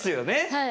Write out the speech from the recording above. はい。